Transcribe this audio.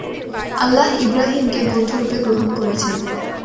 আল্লাহ ইবরাহীমকে বন্ধুরূপে গ্রহণ করেছেন।